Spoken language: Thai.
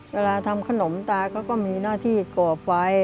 เวลาทำขนมตาเขาก็มีหน้าที่ก่อไฟ